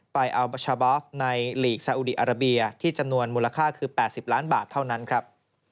ไปเอาบัชชาบอฟในหลีกซาอุดีอาราเบียที่จำนวนมูลค่าคือ๘๐ล้านบาทเท่านั้นครับ